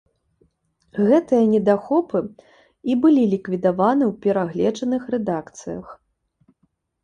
Гэтыя недахопы і былі ліквідаваны ў перагледжаных рэдакцыях.